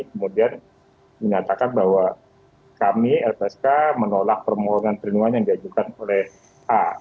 kemudian menyatakan bahwa kami lpsk menolak permohonan perlindungan yang diajukan oleh a